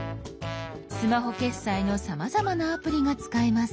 スマホ決済のさまざまなアプリが使えます。